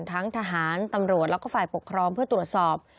ทั้งทหารตำรวจแล้วก็ฝ่ายปกครองเพื่อตรวจสอบ